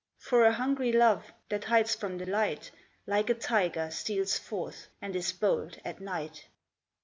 For a hungry love that hides from the light, Like a tiger steals forth, and is bold at night.'